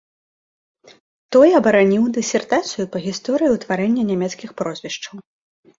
Той абараніў дысертацыю па гісторыі ўтварэння нямецкіх прозвішчаў.